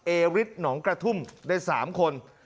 เอริสหนองกระทุ่มได้๓คน